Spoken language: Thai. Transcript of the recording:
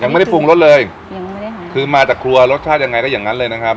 ไม่ได้ปรุงรสเลยยังไงค่ะคือมาจากครัวรสชาติยังไงก็อย่างนั้นเลยนะครับ